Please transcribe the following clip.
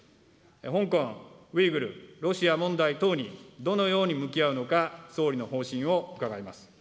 香港、ウイグル、ロシア問題等にどのように向き合うのか、総理の方針を伺います。